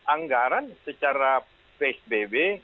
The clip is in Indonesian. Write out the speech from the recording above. anggaran secara psbb